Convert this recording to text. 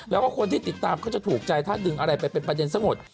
แล้วก็คนที่ติดตามเขาจะถูกใจถ้าดึงอะไรไปเป็นประเด็นซะหมด